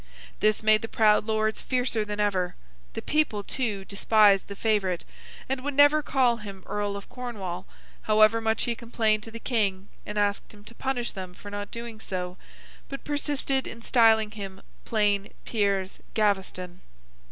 This made the proud Lords fiercer than ever; the people, too, despised the favourite, and would never call him Earl of Cornwall, however much he complained to the King and asked him to punish them for not doing so, but persisted in styling him plain Piers Gaveston.